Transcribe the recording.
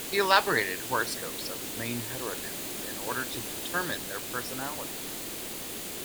He elaborated horoscopes of his main heteronyms in order to determine their personalities.